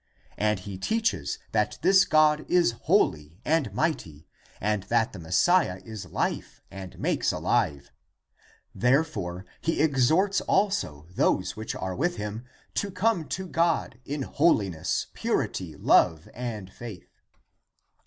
And he teaches that this God is holy and mighty, and that the Messiah is life and makes alive. 310 THE APOCRYPHAL ACTS Therefore he exhorts also those which are with him to come to him (God) in hoHness, purity, love and faith."